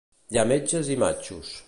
Hi ha metges i matxos.